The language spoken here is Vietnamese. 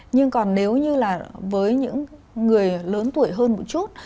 nhưng còn nếu như là với những người lớn tuổi hơn một chút